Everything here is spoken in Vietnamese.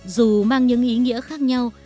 dù mang những ý nghĩa khác nhau